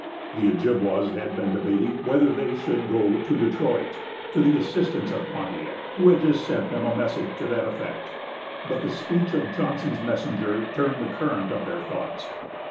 The Ojibwas had been debating whether they should go to Detroit, to the assistance of Pontiac, who had just sent them a message to that effect; but the speech of Johnson's messenger turned the current of their thoughts.